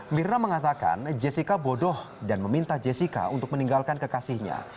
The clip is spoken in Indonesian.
mirna mengatakan jessica bodoh dan meminta jessica untuk meninggalkan kekasihnya